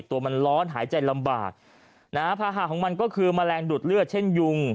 ตัวมันร้อนหายใจลำบากนะฮะภาหะของมันก็คือแมลงดูดเลือดเช่นยุง